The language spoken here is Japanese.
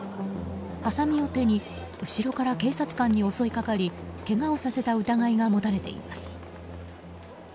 はさみを手に後ろから警察官に襲いかかりけがをさせた疑いが持たれています。